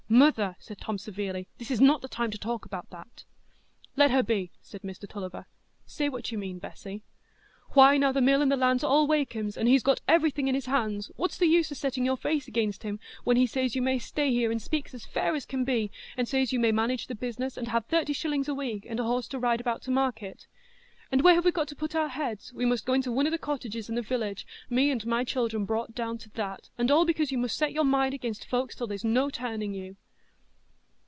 "Mother," said Tom, severely, "this is not the time to talk about that." "Let her be," said Mr Tulliver. "Say what you mean, Bessy." "Why, now the mill and the land's all Wakem's, and he's got everything in his hands, what's the use o' setting your face against him, when he says you may stay here, and speaks as fair as can be, and says you may manage the business, and have thirty shillings a week, and a horse to ride about to market? And where have we got to put our heads? We must go into one o' the cottages in the village,—and me and my children brought down to that,—and all because you must set your mind against folks till there's no turning you."